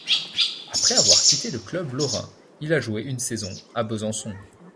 Après avoir quitté le club lorrain, il a joué une saison à Besançon.